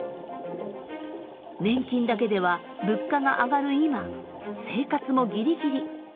年金だけでは物価が上がる今生活もギリギリ。